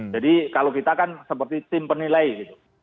jadi kalau kita kan seperti tim penilai gitu